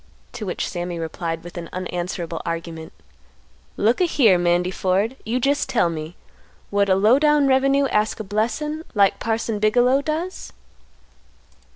To which Sammy replied with an unanswerable argument; "Look a here, Mandy Ford; you jest tell me, would a low down revenue ask a blessin' like Parson Bigelow does?"